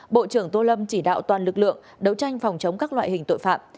bộ trưởng tô lâm chỉ đạo toàn lực lượng đấu tranh phòng chống các loại hình tội phạm